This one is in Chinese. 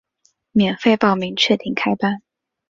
免费报名，确定开班